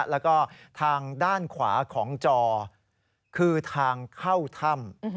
แล้วก็ทางด้านขวาของจอคือทางเข้าถ้ำ